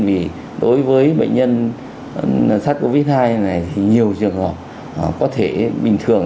vì đối với bệnh nhân sát covid hai này thì nhiều trường hợp có thể bình thường